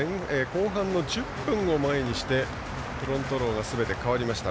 後半１０分を前にしてフロントローすべて代わりました。